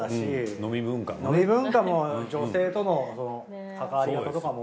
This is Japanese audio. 飲み文化も女性とのかかわり方とかも。